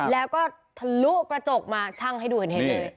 แล้วก็ทะลุกระจกมาช่างให้ดูเห็นเลย